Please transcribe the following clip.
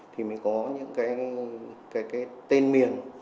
thì mới có những cái tên miền